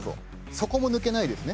底も抜けないですね。